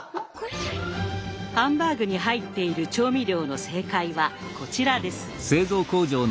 ハンバーグに入っている調味料の正解はこちらです。